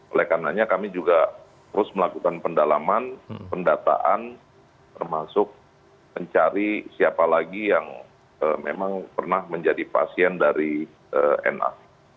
oleh karenanya kami juga terus melakukan pendalaman pendataan termasuk mencari siapa lagi yang memang pernah menjadi pasien dari na